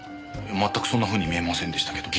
全くそんなふうに見えませんでしたけど。